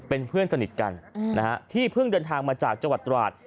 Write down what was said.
เป็นเพื่อนสนิทกันที่เพิ่งเดินทางมาจากจังหวัดตราด